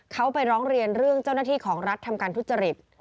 เขาไปร้องเรียนเรื่องเจ้าหน้าที่ของรัฐทำการทุจริต